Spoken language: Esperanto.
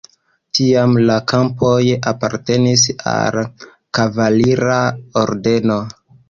Tiam la kampoj apartenis al kavalira ordeno.